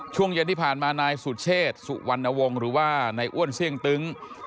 ช่วงเย็นที่ผ่านมานายสุเชษสุวรรณวงศ์หรือว่านายอ้วนเสี่ยงตึ้ง